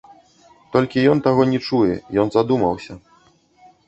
Толькі ён таго не чуе, ён задумаўся.